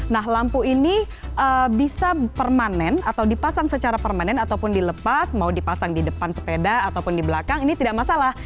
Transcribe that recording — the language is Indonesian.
nah lampu ini bisa permanen atau dipasang secara permanen ataupun dilepas mau dipasang di depan sepeda ataupun di belakang ini tidak masalah